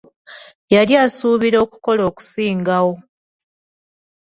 Yali asuubira okukola okusingawo.